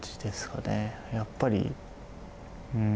やっぱりうん。